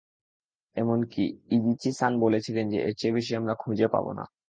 এমনকি ইজিচি-সান বলেছিলেন যে এর চেয়ে বেশি আমরা খুঁজে পাবো না।